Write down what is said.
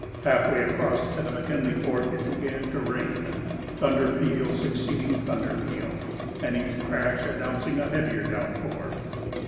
Half way across to the McKinley Fork it began to rain, thunder peal succeeding thunder peal, and each crash announcing a heavier downpour.